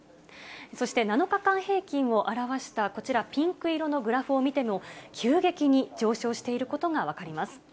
そして７日間平均を表したこちら、ピンク色のグラフを見ても、急激に上昇していることが分かります。